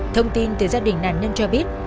thông tin từ gia đình nạn nhân cho biết